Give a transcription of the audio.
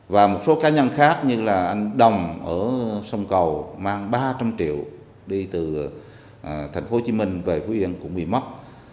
và một số cá nhân khác như là anh đồng ở sông cầu mang ba trăm linh triệu đi từ thành phố hồ chí minh về phú yên cũng bị mất